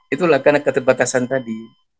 itulah karena keterbatasan tadi